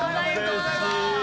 うれしい。